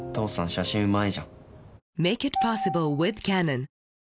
写真うまいじゃん。